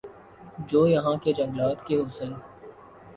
جو یہاں کے جنگلات کےحسن